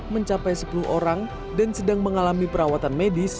mencapai sepuluh orang dan sedang mengalami perawatan medis